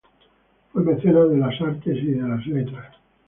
Fue mecenas de las artes y las letras.